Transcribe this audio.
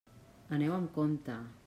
Aneu amb compte.